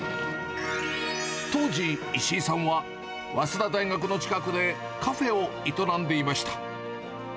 当時、石井さんは、早稲田大学の近くでカフェを営んでいました。